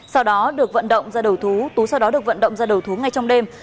sau đó được vận động ra đầu thú sau đó được vận động ra đầu thú ngay trong đêm